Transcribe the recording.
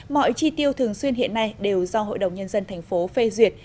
mọi chi tiêu thường xuyên hiện nay đều do hội đồng nhân dân thành phố phê duyệt